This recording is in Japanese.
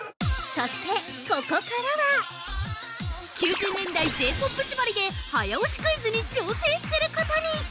そして、ここからは◆９０年代Ｊ−ＰＯＰ縛りで早押しクイズに挑戦することに。